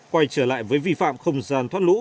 quay trở lại với vi phạm không gian thoát lũ